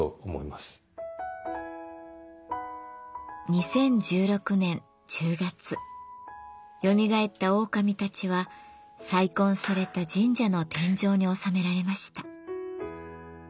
２０１６年１０月よみがえったオオカミたちは再建された神社の天井におさめられました。